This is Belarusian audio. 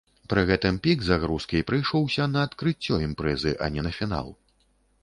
Пры гэтым пік загрузкі прыйшоўся на адкрыццё імпрэзы, а не на фінал.